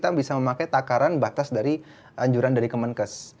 kita bisa memakai takaran batas dari anjuran dari kemenkes